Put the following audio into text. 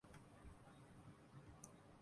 اس کی کہانی کسی قدر ایک ذاتی زوال میں سے ہے